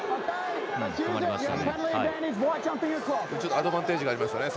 アドバンテージありますからね。